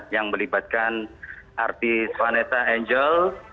yang melibatkan artis vanessa angel